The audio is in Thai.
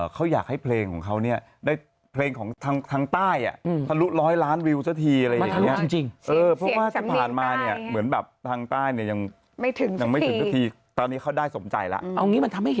เขาอยากให้เพลงของเขาได้เพลงของทางใต้